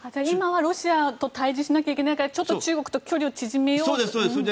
今はロシアと対峙しないといけないからちょっと中国と距離を縮めようと。